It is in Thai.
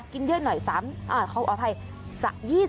กินเยอะหน่อย๓๐อ้าวเขาอภัย